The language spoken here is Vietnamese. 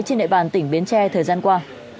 trên nệ bàn tỉnh bến tre thời gian qua